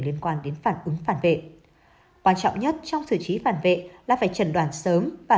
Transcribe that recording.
liên quan đến phản ứng phản vệ quan trọng nhất trong xử trí phản vệ là phải chẩn đoán sớm và